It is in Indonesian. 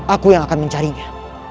aku yang akan mencarinya